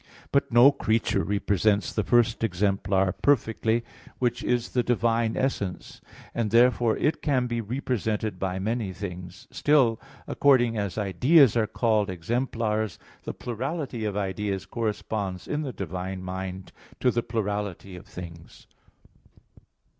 But no creature represents the first exemplar perfectly, which is the divine essence; and, therefore, it can be represented by many things. Still, according as ideas are called exemplars, the plurality of ideas corresponds in the divine mind to the plurality of things.